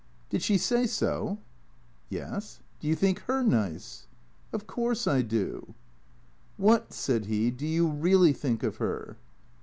" Did she say so ?"" Yes. Do you think her nice ?"" Of course I do." " What," said he, " do you really think of her